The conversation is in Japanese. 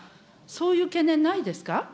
そういう懸念ないですか。